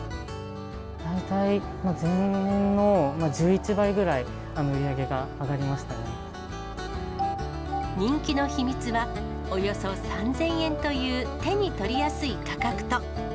大体前年の１１倍ぐらい売り人気の秘密は、およそ３０００円という手に取りやすい価格と。